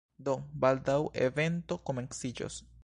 Do, baldaŭ evento komenciĝos